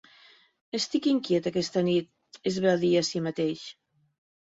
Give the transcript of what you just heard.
"Estic inquiet aquesta nit", es va dir a si mateix.